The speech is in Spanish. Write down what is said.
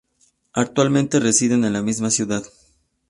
Actualmente residen en la misma ciudad.